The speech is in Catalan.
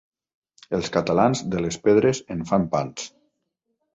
Els catalans, de les pedres en fan pans.